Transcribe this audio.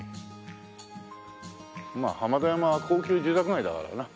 まあ浜田山は高級住宅街だからな。